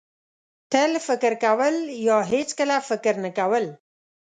تل فکر کول یا هېڅکله فکر نه کول.